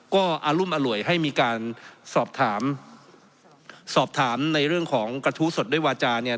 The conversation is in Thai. ก็อารุมอร่วยให้มีการสอบถามสอบถามในเรื่องของกระทู้สดด้วยวาจาเนี่ย